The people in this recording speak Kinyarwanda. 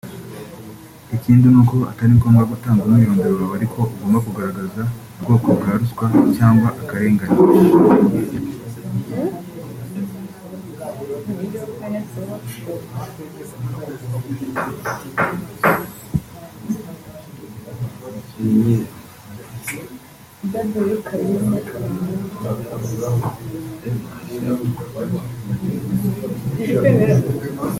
Ikindi ni uko atari ngombwa gutanga umwirondoro wawe ariko ugomba kugaragaza ubwoko bwa ruswa cyangwa akarengane